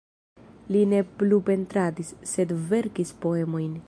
Li ne plu pentradis, sed verkis poemojn.